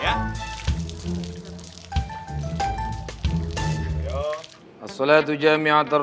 keluarin aja dia nas